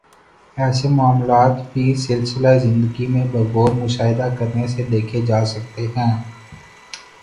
ایسے معاملات بھی سلسلہ زندگی میں بغور مشاہدہ کرنے سے دیکھے جا سکتے ہیں